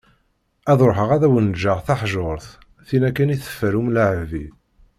Ad ruḥeγ ad awen-ğğeγ taḥjurt, tin akken i teffer umlaԑbi.